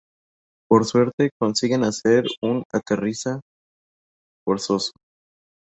Por suerte, consiguen hacer un aterriza forzoso.